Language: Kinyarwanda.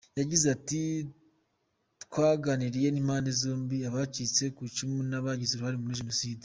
Yagize ati: “Twaganiriye n’impande zombi; abacitse ku icumu n’abagize uruhare muri Jenoside.